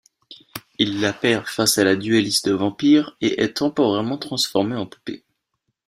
Il la perd face à la duelliste vampire et est temporairement transformé en poupée.